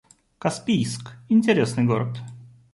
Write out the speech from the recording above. Каспийск — интересный город